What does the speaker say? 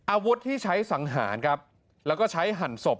อาวุธที่ใช้สังหารครับแล้วก็ใช้หั่นศพ